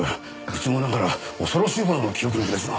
いつもながら恐ろしいほどの記憶力ですな。